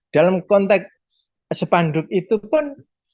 dalam konteks sepanduk itu pun